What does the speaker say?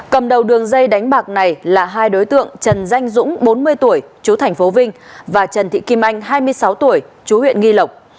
cầm đầu đường dây đánh bạc này là hai đối tượng trần danh dũng bốn mươi tuổi chú thành phố vinh và trần thị kim anh hai mươi sáu tuổi chú huyện nghi lộc